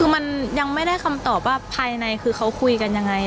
คือมันยังไม่ได้คำตอบว่าภายในคือเขาคุยกันยังไง